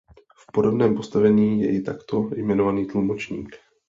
V podobném postavení je i takto jmenovaný tlumočník.